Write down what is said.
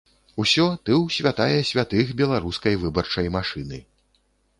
Усё, ты ў святая святых беларускай выбарчай машыны.